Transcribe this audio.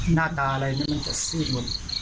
หน้าตาอะไรนี่มันจะซีดหมด